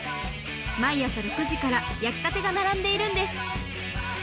毎朝６時から焼きたてが並んでいるんです。